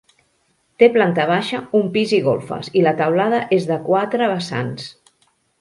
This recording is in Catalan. Té planta baixa, un pis i golfes, i la teulada és de quatre vessants.